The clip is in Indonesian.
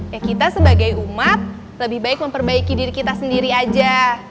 ya kita sebagai umat lebih baik memperbaiki diri kita sendiri aja